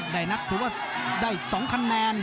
นับถือว่าได้๒คะแนน